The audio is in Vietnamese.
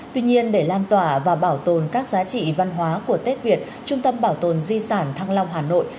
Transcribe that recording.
tuy nhiên để lan tỏa và bảo tồn các giá trị văn hóa của tết việt trung tâm bảo tồn di sản thăng long hà nội